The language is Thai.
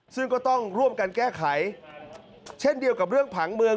ซึ่งก็ต้องร่วมกันแก้ไขเช่นเดียวกับเรื่องผังเมือง